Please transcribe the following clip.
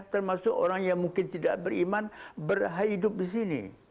termasuk orang yang mungkin tidak beriman berhidup di sini